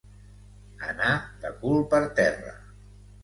Anar de cul per terra.